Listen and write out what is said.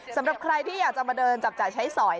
สำหรับใครที่อยากจะมาเดินจับจ่ายใช้สอย